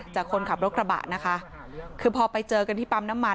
จากคนขับรถกระบะนะคะคือพอไปเจอกันที่ปั๊มน้ำมัน